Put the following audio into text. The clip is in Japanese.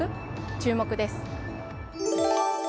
注目です。